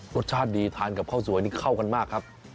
รสชาติดีทานกับข้าวสวยนี่เข้ากันมากครับ